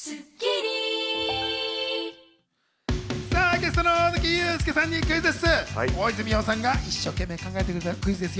ゲストの大貫勇輔さんにクイズッス！